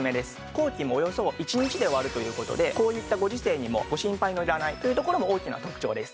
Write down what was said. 工期もおよそ１日で終わるという事でこういったご時世にもご心配のいらないというところも大きな特徴です。